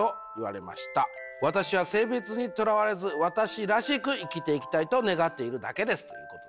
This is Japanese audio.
私は性別にとらわれず私らしく生きていきたいと願っているだけです」ということです。